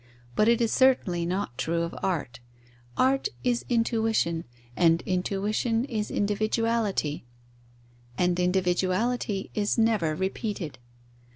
But it is certainly not true of art; art is intuition, and intuition is individuality, and individuality is never repeated.